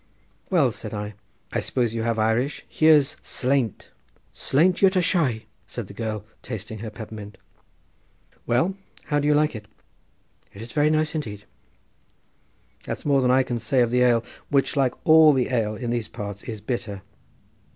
"Well," said I, "I suppose you have Irish: here's slainte—" "Slainte yuit a shaoi," said the girl, tasting her peppermint. "Well, how do you like it?" "It's very nice indeed." "That's more than I can say of the ale, which, like all the ale in these parts, is bitter.